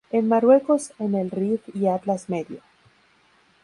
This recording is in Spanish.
En Marruecos en el Rif y Atlas Medio.